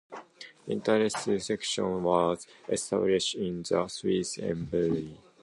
Interests Section was established in the Swiss Embassy.